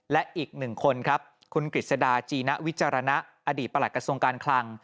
และอีกหนึ่งคนครับคุณกฤษฎาจีณวิจารณะอดีตประหลักกระทรวงการคลัง